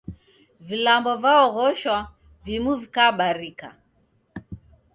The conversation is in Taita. Vilambo vaoghoshwa vimu vikabarika